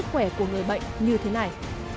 sức khỏe của người bệnh như thế này